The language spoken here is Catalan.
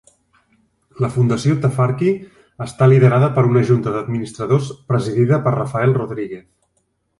La Fundació Tafarki està liderada per una junta d'administradors presidida per Rafael Rodriguez.